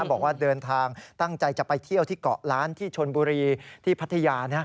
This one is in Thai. บอกว่าเดินทางตั้งใจจะไปเที่ยวที่เกาะล้านที่ชนบุรีที่พัทยา